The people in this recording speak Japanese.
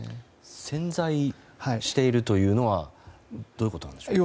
潜在しているというのはどういうことでしょう？